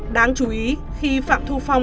đáng chú ý khi phạm thu phong